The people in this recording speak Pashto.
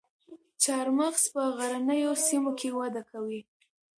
چهارمغز په غرنیو سیمو کې وده کوي